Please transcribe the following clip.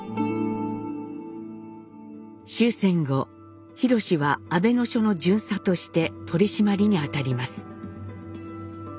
終戦後廣は阿倍野署の巡査として取締りに当たります。